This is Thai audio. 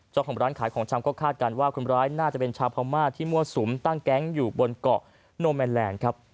เจ้าของร้านขายของชำก็คาดการณ์ว่าคนร้ายน่าจะเป็นชาวพม่าที่มั่วสุมตั้งแก๊งอยู่บนเกาะโนแมนแลนด์ครับ